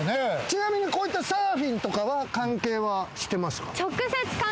ちなみにこういったサーフィンとかは関係はしてますか？